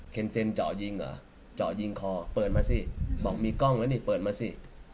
เซ็นเจาะยิงเหรอเจาะยิงคอเปิดมาสิบอกมีกล้องแล้วนี่เปิดมาสิ